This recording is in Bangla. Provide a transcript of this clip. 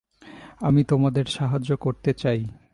আমি তোমাদের সাহায্য করতে চাই।